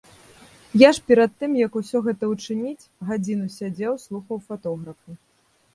Я ж перад тым як усё гэта учыніць, гадзіну сядзеў слухаў фатографа.